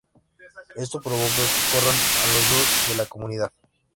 Esto provoca que corran a los dos de la comunidad.